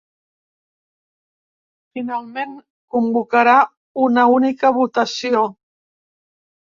Finalment convocarà una única votació.